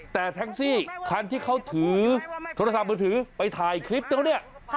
แต่แท็กซี่คันที่เขาถือโทรศัพท์มือถือไปถ่ายคลิปตรงนี้